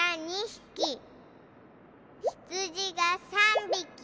ひつじが３びき。